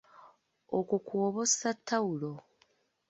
Okwo kw'oba ossa ttawulo.